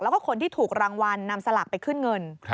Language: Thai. แล้วก็คนที่ถูกรางวัลนำสลากไปขึ้นเงิน